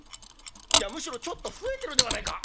いやむしろちょっと増えてるではないか。